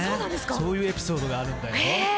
そういうエピソードがあるぐらいだよ。